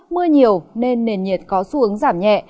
mưa nhiều nên nền nhiệt có xu hướng giảm nhẹ